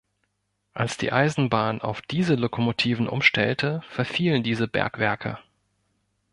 Als die Eisenbahn auf Diesellokomotiven umstellte, verfielen diese Bergwerke.